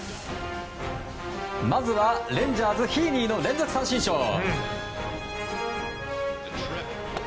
まずはレンジャーズ、ヒーニーの連続三振ショー！